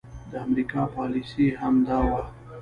د امريکې پاليسي هم دا وه